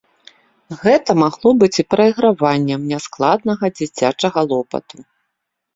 Гэта магло быць і прайграваннем няскладнага дзіцячага лопату.